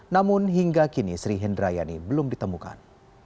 namun hingga kini sri hindrayani belum ditemukan